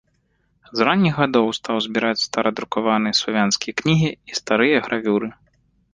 З ранніх гадоў стаў збіраць старадрукаваныя славянскія кнігі і старыя гравюры.